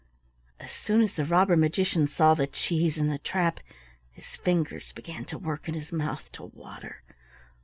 As soon as the robber magician saw the cheese in the trap his fingers began to work and his mouth to water.